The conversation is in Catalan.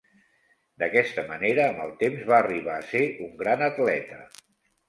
D'aquesta manera, amb el temps va arribar a ser un gran atleta.